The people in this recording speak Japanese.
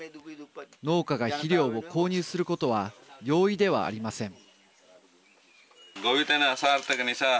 農家が肥料を購入することは容易ではありません。